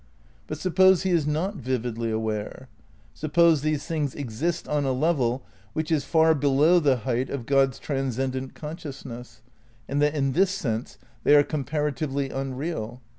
But suppose he is not vividly aware'? Suppose these things exist on a level which is far below the height of God's transcendent conscious ness, and that in this sense they are comparatively un real?